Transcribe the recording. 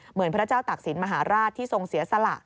เหมือนพระเจ้าตักศิลป์มหาราชที่ทรงเสียสละ